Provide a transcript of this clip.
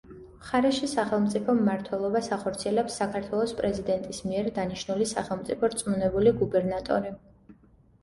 მხარეში სახელმწიფო მმართველობას ახორციელებს საქართველოს პრეზიდენტის მიერ დანიშნული სახელმწიფო რწმუნებული-გუბერნატორი.